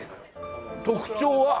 特徴は？